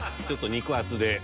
ちょっと肉厚で。